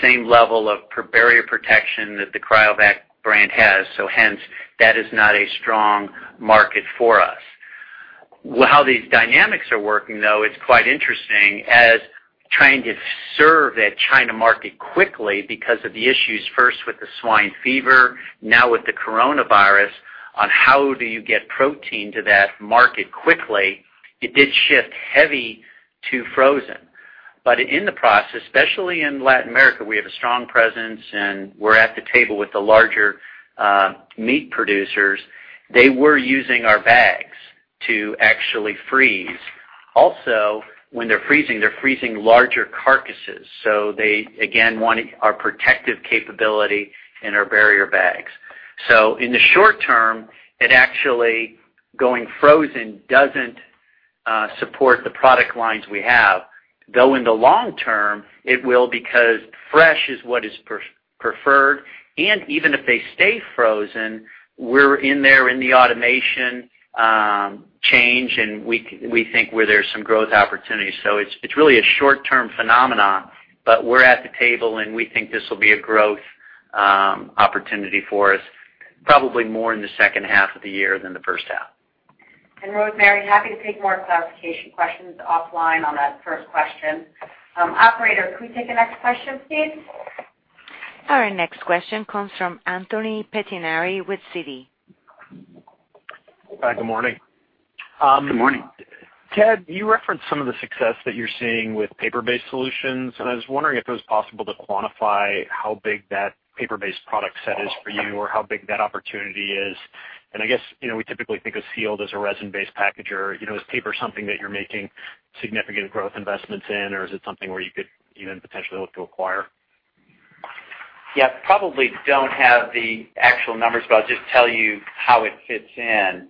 same level of barrier protection that the Cryovac brand has. Hence, that is not a strong market for us. How these dynamics are working, though, it's quite interesting as trying to serve that China market quickly because of the issues, first with the swine fever, now with the coronavirus, on how do you get protein to that market quickly, it did shift heavy to frozen. In the process, especially in Latin America, we have a strong presence and we're at the table with the larger meat producers. They were using our bags to actually freeze. Also, when they're freezing, they're freezing larger carcasses. They, again, wanted our protective capability and our barrier bags. In the short term, it actually, going frozen doesn't Support the product lines we have. Go into long term, it will because fresh is what is preferred. Even if they stay frozen, we're in there in the automation change, and we think where there's some growth opportunities. It's really a short-term phenomenon, but we're at the table and we think this will be a growth opportunity for us, probably more in the second half of the year than the first half. Rosemarie, happy to take more clarification questions offline on that first question. Operator, could we take the next question, please? Our next question comes from Anthony Pettinari with Citi. Hi, good morning. Good morning. Ted, you referenced some of the success that you're seeing with paper-based solutions. I was wondering if it was possible to quantify how big that paper-based product set is for you or how big that opportunity is. I guess, we typically think of Sealed as a resin-based packager. Is paper something that you're making significant growth investments in, or is it something where you could even potentially look to acquire? Yeah, probably don't have the actual numbers, but I'll just tell you how it fits in.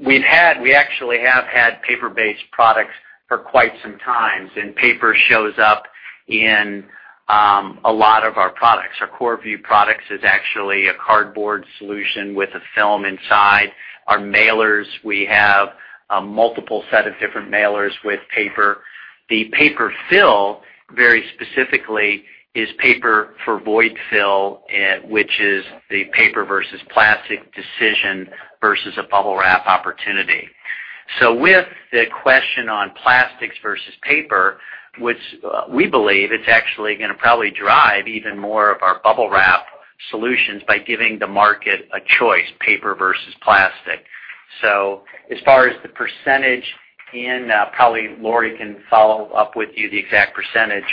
We actually have had paper-based products for quite some times, paper shows up in a lot of our products. Our Korrvu products is actually a cardboard solution with a film inside. Our mailers, we have a multiple set of different mailers with paper. The paper fill, very specifically, is paper for void fill, which is the paper versus plastic decision versus a Bubble Wrap opportunity. With the question on plastics versus paper, which we believe it's actually going to probably drive even more of our Bubble Wrap solutions by giving the market a choice, paper versus plastic. As far as the percentage, probably Lori can follow up with you the exact percentage.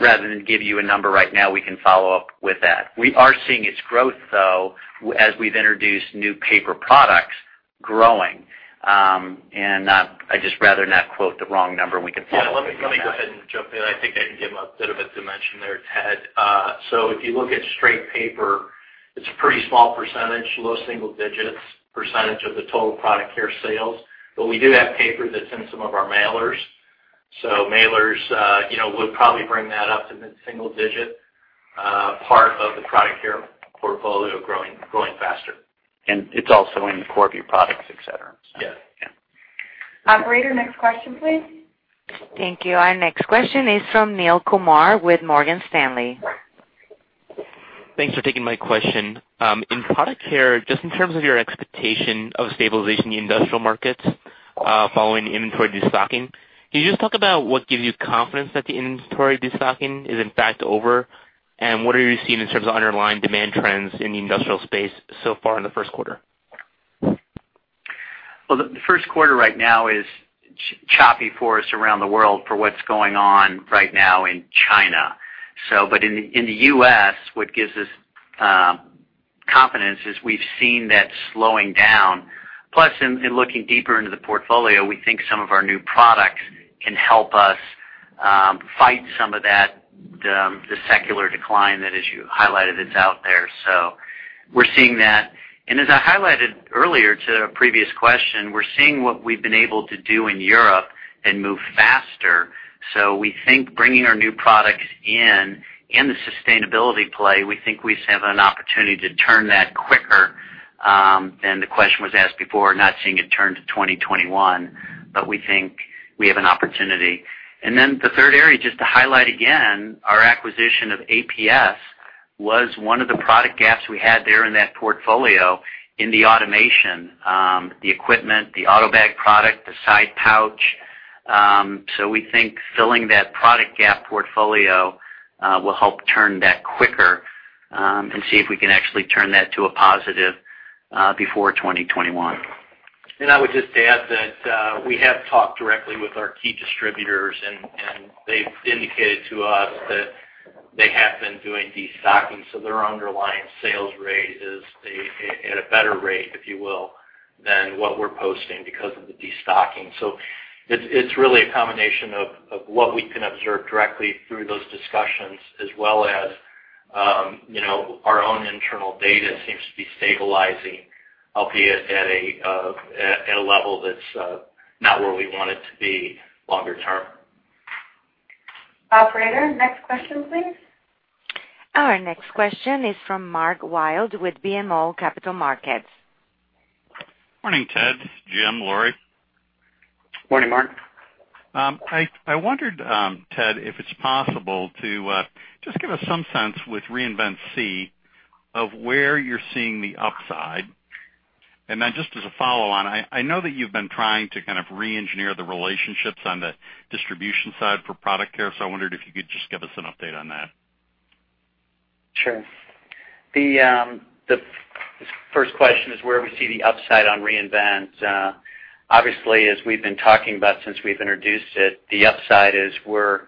Rather than give you a number right now, we can follow up with that. We are seeing its growth though, as we've introduced new paper products growing. I'd just rather not quote the wrong number. We can follow up on that. Yeah, let me go ahead and jump in. I think I can give a bit of a dimension there, Ted. If you look at straight paper, it's a pretty small percentage, low single digits percentage of the total Product Care sales. We do have paper that's in some of our mailers. Mailers would probably bring that up to mid-single digit part of the Product Care portfolio growing faster. It's also in the Korrvu products, et cetera. Yes. Yeah. Operator, next question, please. Thank you. Our next question is from Neel Kumar with Morgan Stanley. Thanks for taking my question. In Product Care, just in terms of your expectation of stabilization in the industrial markets following inventory destocking, can you just talk about what gives you confidence that the inventory destocking is in fact over? What are you seeing in terms of underlying demand trends in the industrial space so far in the first quarter? Well, the first quarter right now is choppy for us around the world for what's going on right now in China. In the U.S., what gives us confidence is we've seen that slowing down. Plus, in looking deeper into the portfolio, we think some of our new products can help us fight some of the secular decline that, as you highlighted, it's out there. We're seeing that. As I highlighted earlier to a previous question, we're seeing what we've been able to do in Europe and move faster. We think bringing our new products in, and the sustainability play, we think we have an opportunity to turn that quicker. The question was asked before, not seeing it turn to 2021, but we think we have an opportunity. The third area, just to highlight again, our acquisition of APS was one of the product gaps we had there in that portfolio in the automation, the equipment, the Autobag product, the side pouch. We think filling that product gap portfolio will help turn that quicker and see if we can actually turn that to a positive before 2021. I would just add that we have talked directly with our key distributors, and they've indicated to us that they have been doing destocking. Their underlying sales rate is at a better rate, if you will, than what we're posting because of the destocking. It's really a combination of what we can observe directly through those discussions as well as our own internal data seems to be stabilizing, albeit at a level that's not where we want it to be longer term. Operator, next question please. Our next question is from Mark Wilde with BMO Capital Markets. Morning, Ted, Jim, Lori. Morning, Mark. I wondered, Ted, if it's possible to just give us some sense with Reinvent SEE of where you're seeing the upside? Just as a follow-on, I know that you've been trying to kind of re-engineer the relationships on the distribution side for Product Care. I wondered if you could just give us an update on that? Sure. The first question is where we see the upside on Reinvent. Obviously, as we've been talking about since we've introduced it, the upside is we're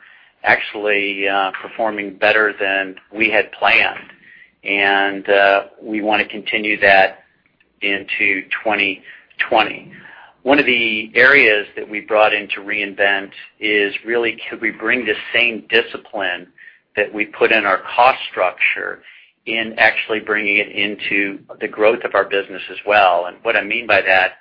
actually performing better than we had planned, and we want to continue that into 2020. One of the areas that we brought into Reinvent is really could we bring the same discipline that we put in our cost structure in actually bringing it into the growth of our business as well. What I mean by that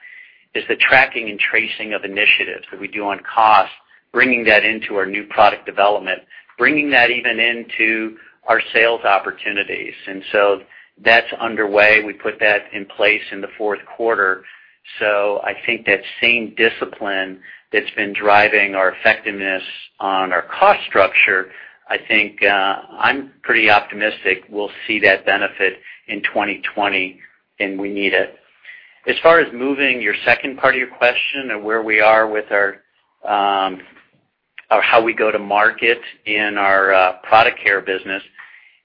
is the tracking and tracing of initiatives that we do on cost, bringing that into our new product development, bringing that even into our sales opportunities. So that's underway. We put that in place in the fourth quarter. I think that same discipline that's been driving our effectiveness on our cost structure, I think I'm pretty optimistic we'll see that benefit in 2020, and we need it. As far as moving your second part of your question and where we are with our or how we go to market in our Product Care business.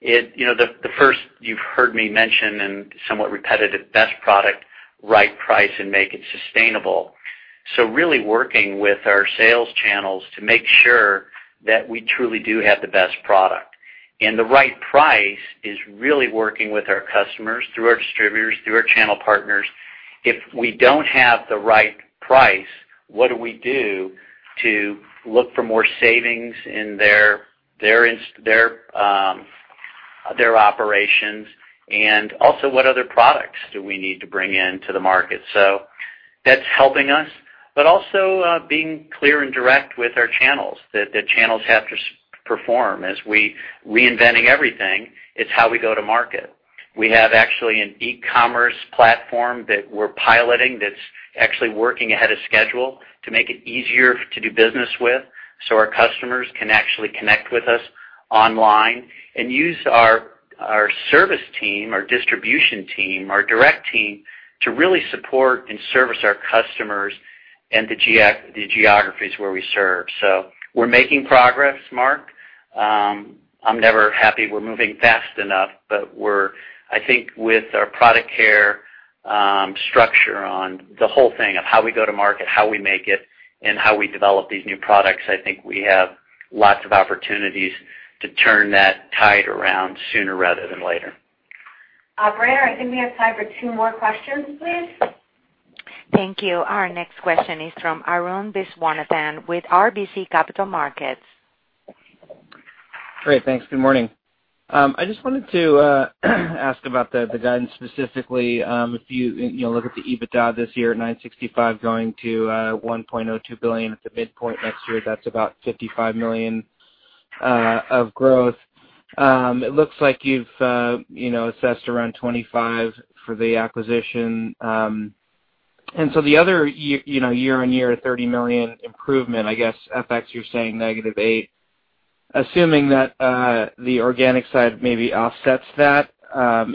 The first you've heard me mention, and somewhat repetitive, best product, right price, and make it sustainable. Really working with our sales channels to make sure that we truly do have the best product. The right price is really working with our customers through our distributors, through our channel partners. If we don't have the right price, what do we do to look for more savings in their operations? Also, what other products do we need to bring into the market? That's helping us, but also being clear and direct with our channels, that the channels have to perform as we reinventing everything. It's how we go to market. We have actually an e-commerce platform that we're piloting that's actually working ahead of schedule to make it easier to do business with so our customers can actually connect with us online and use our service team, our distribution team, our direct team to really support and service our customers and the geographies where we serve. We're making progress, Mark. I'm never happy we're moving fast enough, but we're I think with our Product Care structure on the whole thing of how we go to market, how we make it, and how we develop these new products, I think we have lots of opportunities to turn that tide around sooner rather than later. Operator, I think we have time for two more questions, please. Thank you. Our next question is from Arun Viswanathan with RBC Capital Markets. Great. Thanks. Good morning. I just wanted to ask about the guidance specifically. If you look at the EBITDA this year at $965 going to $1.02 billion at the midpoint next year, that's about $55 million of growth. It looks like you've assessed around $25 for the acquisition. The other year-on-year, $30 million improvement, I guess, FX, you're saying -$8. The organic side maybe offsets that,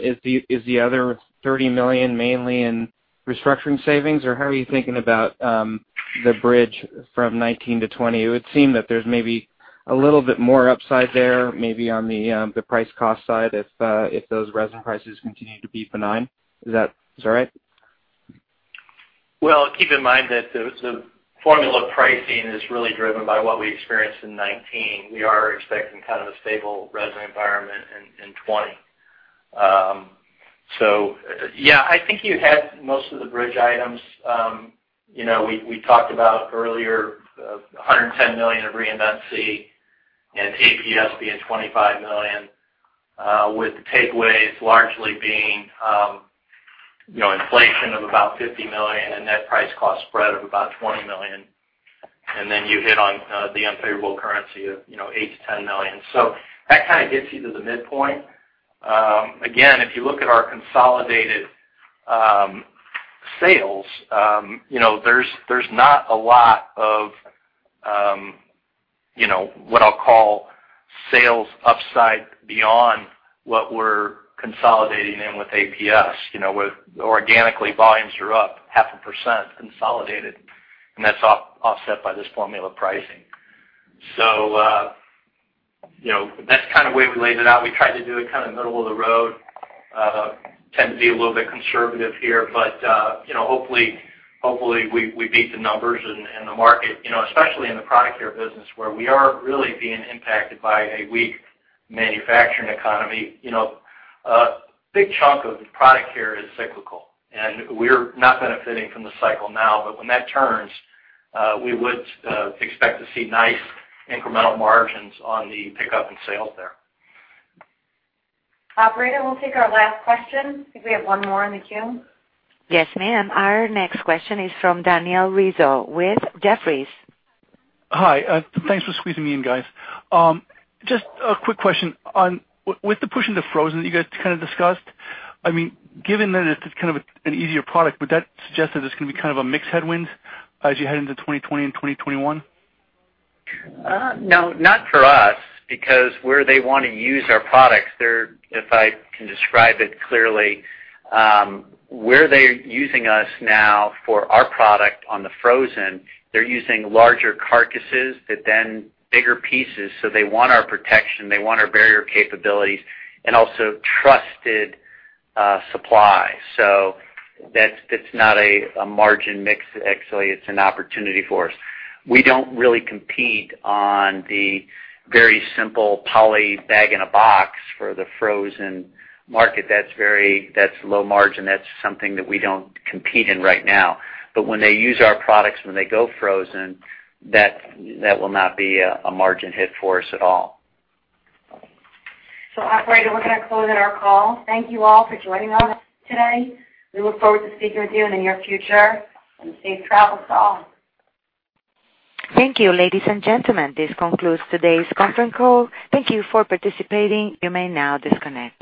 is the other $30 million mainly in restructuring savings, or how are you thinking about the bridge from 2019 to 2020? It would seem that there's maybe a little bit more upside there, maybe on the price cost side if those resin prices continue to be benign. Is that right? Well, keep in mind that the formula pricing is really driven by what we experienced in 2019. We are expecting kind of a stable resin environment in 2020. Yeah, I think you had most of the bridge items. We talked about earlier, $110 million of Reinvent SEE and APS being $25 million, with the takeaways largely being inflation of about $50 million and net price cost spread of about $20 million. Then you hit on the unfavorable currency of $8 million-$10 million. That kind of gets you to the midpoint. Again, if you look at our consolidated sales, there's not a lot of what I'll call sales upside beyond what we're consolidating in with APS. Organically, volumes are up 0.5% consolidated, and that's offset by this formula pricing. That's kind of way we laid it out. We tried to do it kind of middle of the road, tend to be a little bit conservative here. Hopefully, we beat the numbers and the market, especially in the Product Care business, where we are really being impacted by a weak manufacturing economy. A big chunk of the Product Care is cyclical, and we're not benefiting from the cycle now. When that turns, we would expect to see nice incremental margins on the pickup in sales there. Operator, we'll take our last question. I think we have one more in the queue. Yes, ma'am. Our next question is from Daniel Rizzo with Jefferies. Hi. Thanks for squeezing me in, guys. Just a quick question. With the push into frozen that you guys kind of discussed, given that it's kind of an easier product, would that suggest that there's going to be kind of a mix headwind as you head into 2020 and 2021? No, not for us, because where they want to use our products, if I can describe it clearly, where they're using us now for our product on the frozen, they're using larger carcasses, but then bigger pieces. They want our protection, they want our barrier capabilities, and also trusted supply. That's not a margin mix. Actually, it's an opportunity for us. We don't really compete on the very simple poly bag in a box for the frozen market. That's low margin. That's something that we don't compete in right now. When they use our products, when they go frozen, that will not be a margin hit for us at all. Operator, we're going to close out our call. Thank you all for joining us today. We look forward to speaking with you in the near future, and safe travels to all. Thank you, ladies and gentlemen. This concludes today's conference call. Thank you for participating. You may now disconnect.